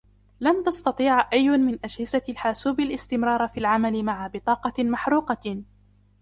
لن تستطيع أي من أجهزة الحاسوب الاستمرار في العمل مع بطاقة محروقة.